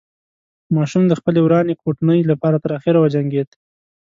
ماشوم د خپلې ورانې کوټنۍ له پاره تر اخره وجنګېده.